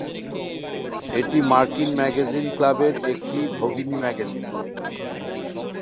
এটি মার্কিন ম্যাগাজিন "ক্লাবের" একটি ভগিনী ম্যাগাজিন।